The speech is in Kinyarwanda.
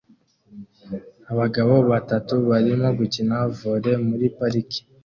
Abagabo batatu barimo gukina volley muri parike